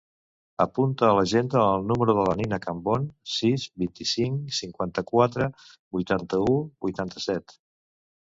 Apunta a l'agenda el número de la Nina Cambon: sis, vint-i-cinc, cinquanta-quatre, vuitanta-u, vuitanta-set.